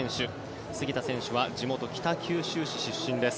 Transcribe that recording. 杉田選手は地元・北九州市出身です。